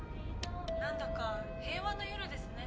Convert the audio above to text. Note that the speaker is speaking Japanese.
なんだか平和な夜ですね。